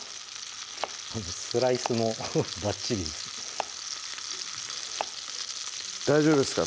スライスもばっちりです大丈夫ですか？